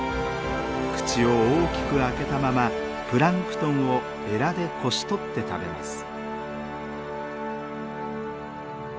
口を大きく開けたままプランクトンをえらでこし取って食べます。